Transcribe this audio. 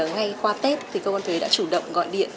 ngay qua tết thì cơ quan thuế đã chủ động gọi điện